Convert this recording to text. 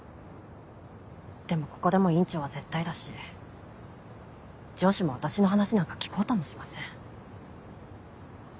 でもここでも院長は絶対だし上司も私の話なんか聞こうともしません。